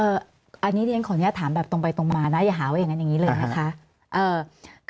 ฮอันนี้ที่จะขอเนื้อถามตรงไปตรงมานะอย่าหาว่าอย่างนั้นเสียประโยชน์อย่างนี้เลยนะคะ